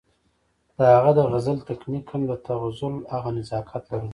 د هغه د غزل تکنيک هم د تغزل هغه نزاکت لرلو